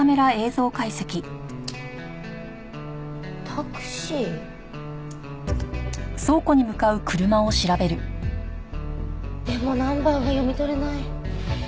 タクシー？でもナンバーが読み取れない。